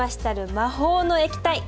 魔法の液体！